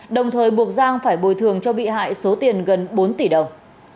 đồng thời buộc giang phải bồi thường cho bị hại số tiền gần bốn tỷ đồng